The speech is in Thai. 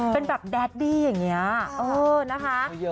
เป็นแบบแดดดี้อย่างนี้นะคะ